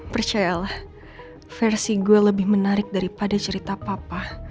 percayalah versi gue lebih menarik daripada cerita papa